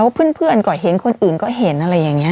เพื่อนก็เห็นคนอื่นก็เห็นอะไรอย่างนี้